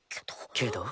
けど？